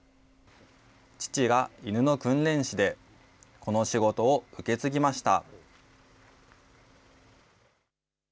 父が犬の訓練士で、この仕事を受け継ぎました。